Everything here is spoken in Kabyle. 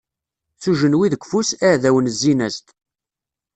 S ujenwi deg ufus, iɛdawen zzin-as-d.